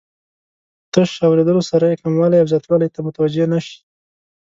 په تش اوریدلو سره یې کموالي او زیاتوالي ته متوجه نه شي.